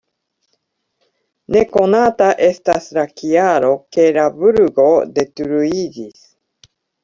Nekonata estas la kialo, ke la burgo detruiĝis.